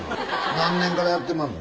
何年からやってまんの？